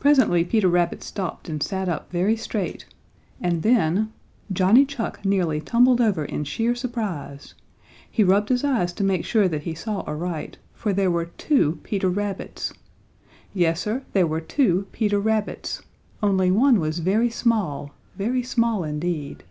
Presently Peter Rabbit stopped and sat up very straight and then Johnny Chuck nearly tumbled over in sheer surprise! He rubbed his eyes to make sure that he saw aright, for there were two Peter Rabbits! Yes, Sir, there were two Peter Rabbits, only one was very small, very small indeed.